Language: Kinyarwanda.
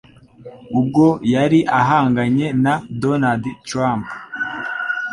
ubwo yari ahanganye na Donald Trump.